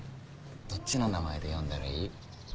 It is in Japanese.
どっちの名前で呼んだらいい？